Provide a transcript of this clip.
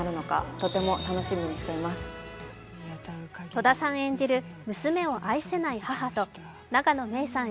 戸田さん演じる娘を愛せない母と永野芽郁さん